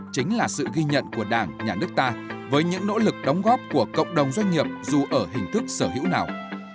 chính là sự ghi nhận của đảng nhà nước ta với những nỗ lực đóng góp của cộng đồng doanh nghiệp dù ở hình thức sở hữu nào